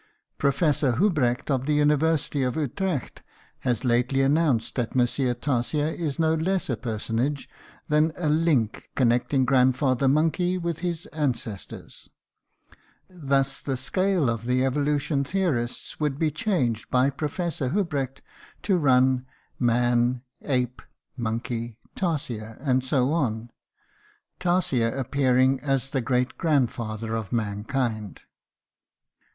Professor Hubrecht of the University of Utrecht has lately announced that Monsieur Tarsier is no less a personage than a "link" connecting Grandfather Monkey with his ancestors. Thus the scale of the evolution theorists would be changed by Professor Hubrecht to run: Man, ape, monkey, tarsier, and so on, tarsier appearing as the great grandfather of mankind.